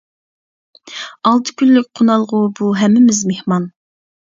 ئالتە كۈنلۈك قونالغۇ بۇ ھەممىمىز مېھمان.